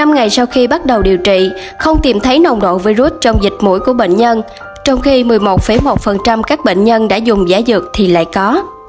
một mươi năm ngày sau khi bắt đầu điều trị không tìm thấy nồng độ virus trong dịch mũi của bệnh nhân trong khi một mươi một một các bệnh nhân đã dùng giả dược thì lại có